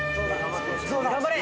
・頑張れ！